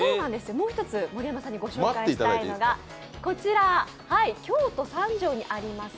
もう一つご紹介したいのがこちら、京都三条にあります